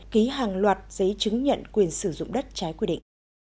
ký hàng loạt giấy chứng nhận quyền sử dụng đất trái quy định